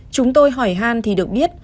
chúng tôi hỏi han thì được biết